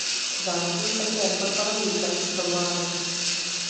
Založil také fotbalový kemp pro mládež.